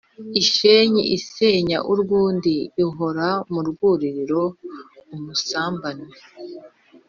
Ishenyi isenya urw'undi ihora mu rwugururiro-Umusambane.